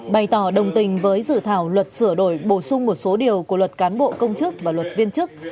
bày tỏ đồng tình với dự thảo luật sửa đổi bổ sung một số điều của luật cán bộ công chức và luật viên chức